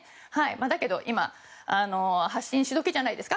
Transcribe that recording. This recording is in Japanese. だけど今発信し時じゃないですか。